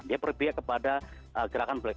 dia berpihak kepada gerakan black